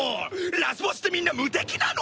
ラスボスってみんな無敵なの！？